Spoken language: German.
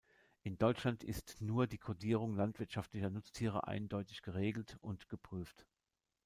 In Deutschland ist nur die Codierung landwirtschaftlicher Nutztiere eindeutig geregelt und geprüft.